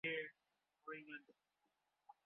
তিনি Australia cricket দলের অধিনায়কত্ব করেন।